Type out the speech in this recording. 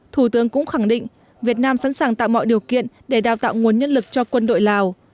thủ tướng cũng khẳng định việt nam sẵn sàng tạo mọi điều kiện để đào tạo nguồn nhân lực cho quân đội lào